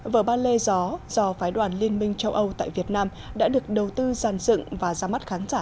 vở ba lê gió do phái đoàn liên minh châu âu tại việt nam đã được đầu tư giàn dựng và ra mắt khán giả